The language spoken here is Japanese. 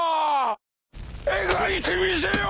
描いてみせよ！